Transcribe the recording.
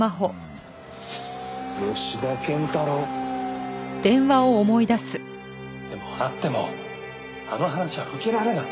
吉田謙太郎？でも会ってもあの話は受けられない。